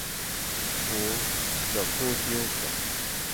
ほーじゃ、こうしようか？